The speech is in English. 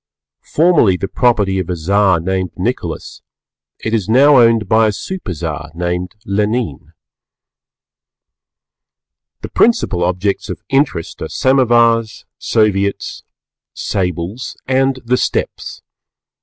Formerly the property of a Czar named Nicholas, it is now owned by a Superczar named Lenine. The principal objects of interest are Samovars, Soviets, Sables, and the Steppes.